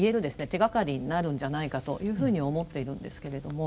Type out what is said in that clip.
手がかりになるんじゃないかというふうに思っているんですけれども。